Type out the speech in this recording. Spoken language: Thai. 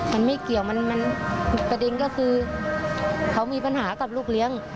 มันไม่เกี่ยวมันประเด็นก็คือเขามีปัญหากับลูกเลี้ยง